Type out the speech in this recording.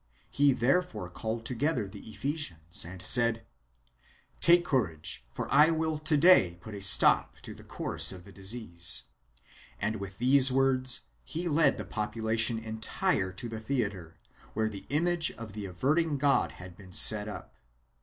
He therefore called together the Ephesians, and said: "Take courage, for 1 will to day puta stop to the course οἵ. the disease." And with these words he led the popula tion entire to the theatre, where the image of the Averting god has been set up.